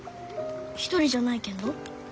一人じゃないけんど。